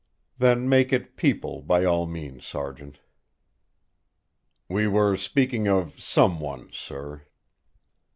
"Then make it 'people' by all means, Sergeant." "We were speaking of 'someone,' sir."